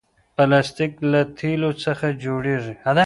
پلاستيک له تیلو څخه جوړېږي.